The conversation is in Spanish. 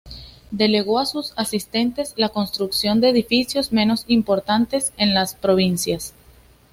Delegó a sus asistentes la construcción de edificios menos importantes en las provincias.